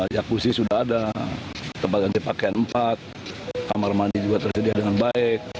jakusi sudah ada tempat ganti pakaian empat kamar mandi juga tersedia dengan baik